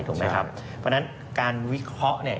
เพราะฉะนั้นการวิเคราะห์เนี่ย